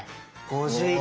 「５１」